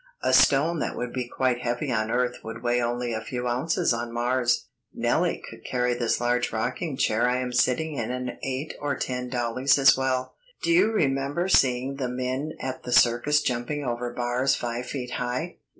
A stone that would be quite heavy on earth would weigh only a few ounces on Mars. Nellie could carry this large rocking chair I am sitting in and eight or ten dollies as well. Do you remember seeing the men at the circus jumping over bars five feet high?